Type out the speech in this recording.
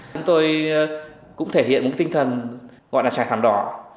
chúng tôi cũng thể hiện một tinh thần gọi là trải thảm đỏ